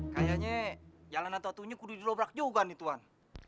kayaknya jalanan tautunya kudu didobrak juga nih tuan